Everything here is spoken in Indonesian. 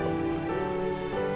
yaudah aese makasih untuk mat up